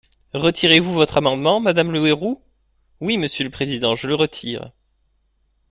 Retirez-vous votre amendement, madame Le Houerou ? Oui, monsieur le président, je le retire.